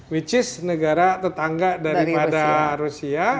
which is negara tetangga daripada rusia